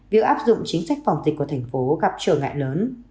việc áp dụng chính sách phòng dịch của thành phố gặp trở ngại lớn